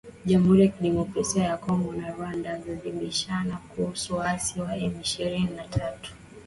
Jamuhuri ya Kidemokrasia ya Kongo na Rwanda zajibizana kuhusu waasi wa M ishirini na tatu